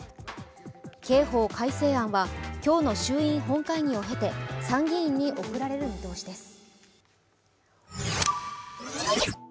刑法改正案は、今日の衆院本会議を経て参議院に送られる見通しです。